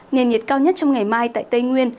nền nhiệt cao nhất trong ngày mai tại tây nguyên